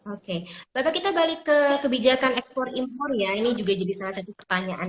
oke bapak kita balik ke kebijakan ekspor impor ya ini juga jadi salah satu pertanyaan